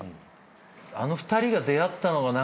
あの２人が出会ったのがよくないね。